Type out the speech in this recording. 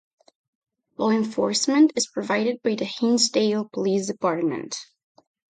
Law enforcement is provided by the Hinsdale Police Department.